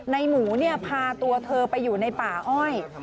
ในหมูพาตัวเธอไปอยู่ในป่าอ้อย